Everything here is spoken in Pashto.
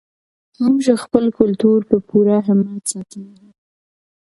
موږ خپل کلتور په پوره همت ساتلی دی.